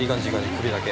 首だけ。